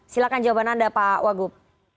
silahkan jawaban anda pak wagub